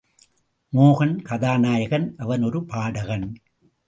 மோகன் கதாநாயகன் அவன் ஒரு பாடகன்.